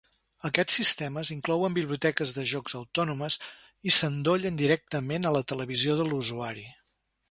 Aquests sistemes inclouen biblioteques de jocs autònomes i s'endollen directament a la televisió de l'usuari.